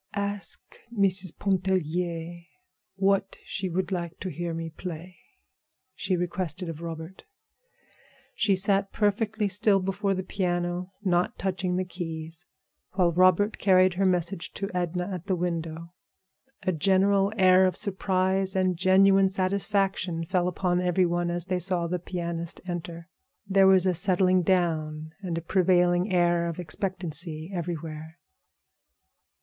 "Ask Mrs. Pontellier what she would like to hear me play," she requested of Robert. She sat perfectly still before the piano, not touching the keys, while Robert carried her message to Edna at the window. A general air of surprise and genuine satisfaction fell upon every one as they saw the pianist enter. There was a settling down, and a prevailing air of expectancy everywhere.